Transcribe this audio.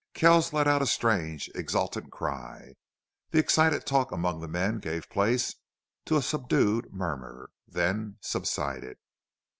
Kells let out a strange, exultant cry. The excited talk among the men gave place, to a subdued murmur, then subsided.